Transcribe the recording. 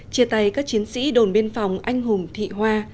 chia tay các chiến sĩ đồn biên phòng anh hùng thị hoa